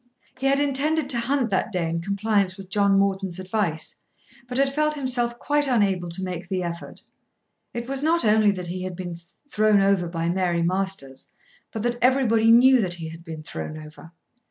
He had intended to hunt that day in compliance with John Morton's advice, but had felt himself quite unable to make the effort. It was not only that he had been thrown over by Mary Masters, but that everybody knew that he had been thrown over.